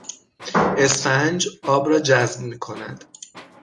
اسفنج، آب را جذب میکند.